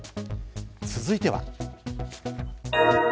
続いては。